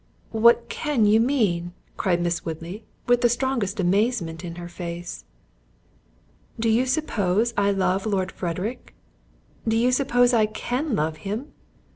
"What can you mean?" cried Miss Woodley, with the strongest amazement in her face. "Do you suppose I love Lord Frederick? Do you suppose I can love him?